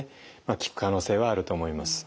効く可能性はあると思います。